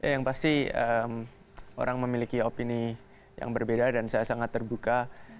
yang pasti orang memiliki opini yang berbeda dan saya sangat terbuka